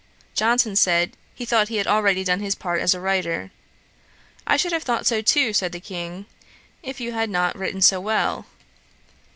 Johnson said, he thought he had already done his part as a writer. 'I should have thought so too, (said the King,) if you had not written so well.'